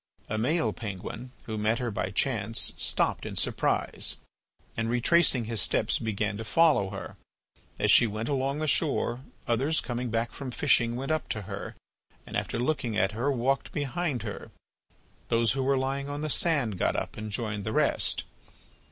A male penguin, who met her by chance, stopped in surprise, and retracing his steps began to follow her. As she went along the shore, others coming back from fishing, went up to her, and after looking at her, walked behind her. Those who were lying on the sand got up and joined the rest.